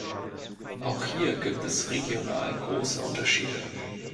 Auch hier gibt es regional große Unterschiede.